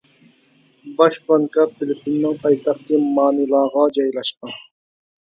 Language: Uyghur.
باش بانكا فىلىپپىننىڭ پايتەختى مانىلاغا جايلاشقان.